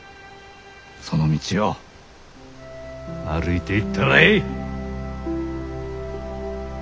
その道を歩いていったらえい！